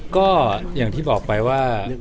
ก็อย่างที่บอกไปว่า